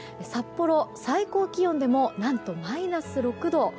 札幌、最高気温でも何とマイナス６度。